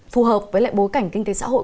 phù hợp với lại bối cảnh kinh tế xã hội